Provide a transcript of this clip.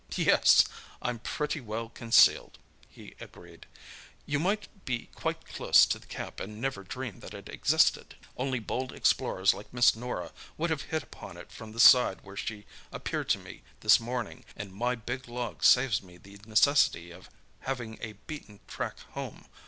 "Yes, I'm pretty well concealed," he agreed. "You might be quite close to the camp and never dream that it existed. Only bold explorers like Miss Norah would have hit upon it from the side where she appeared to me this morning, and my big log saves me the necessity of having a beaten track home.